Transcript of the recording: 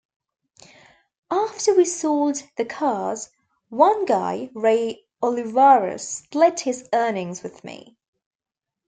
After we sold the cars, one guy, Ray Olivaras, split his earnings with me.